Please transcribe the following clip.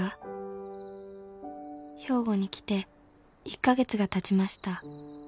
「兵庫に来て１カ月がたちました」